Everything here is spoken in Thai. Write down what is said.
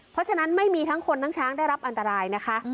เพราะฉะนั้นไม่มีทั้งคนทั้งช้างได้รับอันตรายนะคะ